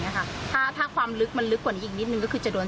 ถ้าถ้าความลึกมันลึกกว่านี้อีกนิดนึงก็คือจะโดน